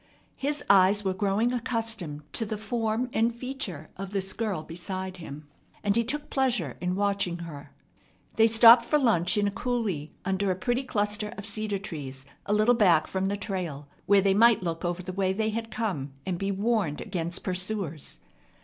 His eyes were growing accustomed to the form and feature of this girl beside him, and he took pleasure in watching her. They stopped for lunch in a coulee under a pretty cluster of cedar trees a little back from the trail, where they might look over the way they had come and be warned against pursuers.